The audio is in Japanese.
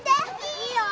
いいよ。